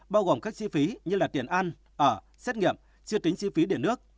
bao gồm các chi phí như tiền ăn ở xét nghiệm chưa tính chi phí điện nước